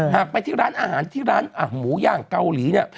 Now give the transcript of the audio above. หากไปที่ร้านอาหารที่ร้านหมูย่างเกาหลีเนี่ย